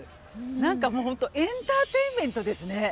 何かもうホントエンターテインメントですね。